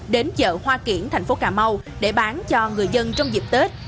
đến chợ hoa kiển thành phố cà mau để bán cho người dân trong dịp tết